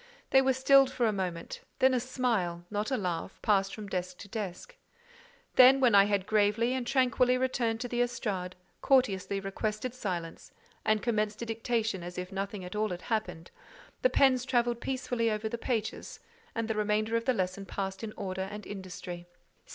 They were stilled for a moment; then a smile—not a laugh—passed from desk to desk: then—when I had gravely and tranquilly returned to the estrade, courteously requested silence, and commenced a dictation as if nothing at all had happened—the pens travelled peacefully over the pages, and the remainder of the lesson passed in order and industry.